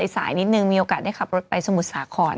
สายนิดนึงมีโอกาสได้ขับรถไปสมุทรสาคร